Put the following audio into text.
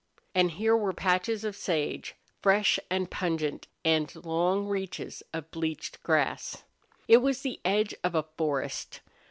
And here were patches of sage, fresh and pungent, and long reaches of bleached grass. It was the edge of a forest.